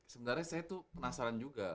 sebenarnya saya tuh penasaran juga